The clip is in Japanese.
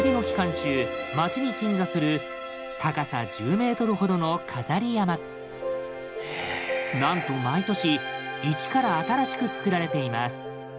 中街に鎮座する高さ１０ｍほどのなんと毎年一から新しくつくられています。